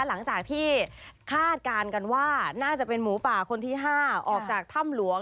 หลังจากที่คาดการณ์กันว่าน่าจะเป็นหมูป่าคนที่๕ออกจากถ้ำหลวง